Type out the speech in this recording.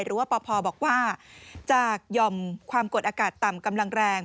หรือว่าปพบอกว่าจากห่อมความกดอากาศต่ำกำลังแรง